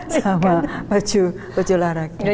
sama baju olahraga